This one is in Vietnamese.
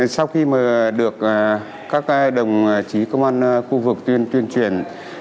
sau khi được các đồng chí công an khu vực tuyên truyền